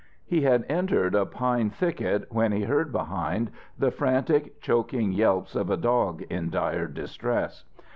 He had entered a pine thicket when he heard behind the frantic, choking yelps of a dog in dire distress.